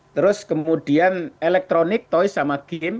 terus kemudian elektronik toys sama game